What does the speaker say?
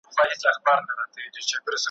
محمدزمان تره کی